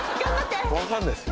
分かんないっす。